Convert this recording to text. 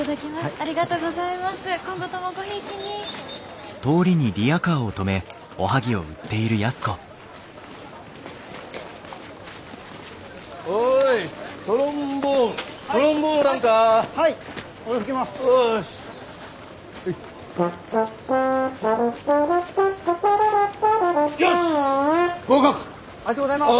ありがとうございます！